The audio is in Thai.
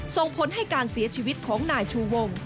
ส่งผลให้การเสียชีวิตของนายชูวง